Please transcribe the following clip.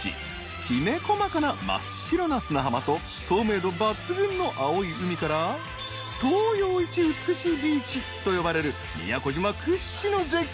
きめ細かな真っ白な砂浜と透明度抜群の青い海から東洋一美しいビーチと呼ばれる宮古島屈指の絶景